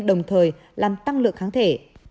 đồng thời làm tăng lượng kháng thể